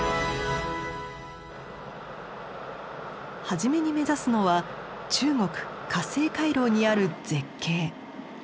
初めに目指すのは中国河西回廊にある絶景。